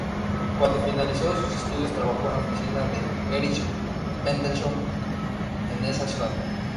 Cuando finalizó sus estudios trabajó en la oficina de Erich Mendelsohn en esa ciudad.